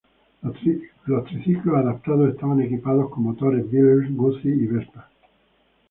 Los triciclos adaptados estaban equipados con motores Villiers, Guzzi y Vespa.